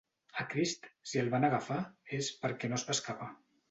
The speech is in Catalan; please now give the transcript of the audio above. A Crist, si el van agafar, és perquè no es va escapar.